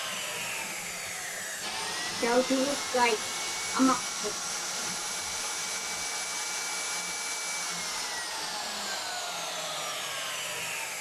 Tautugukkaik amaqquk.